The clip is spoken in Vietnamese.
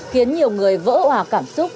khiến nhiều người vỡ hòa cảm xúc